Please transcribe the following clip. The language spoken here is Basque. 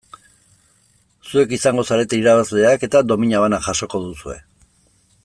Zuek izango zarete irabazleak eta domina bana jasoko duzue.